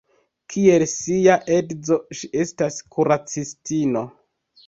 Kiel sia edzo, ŝi estas kuracistino.